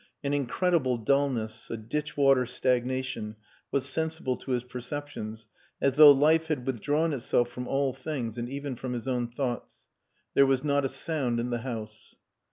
An incredible dullness, a ditch water stagnation was sensible to his perceptions as though life had withdrawn itself from all things and even from his own thoughts. There was not a sound in the house.